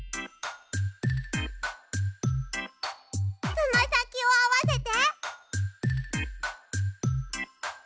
つまさきをあわせて。